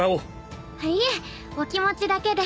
いえお気持ちだけで。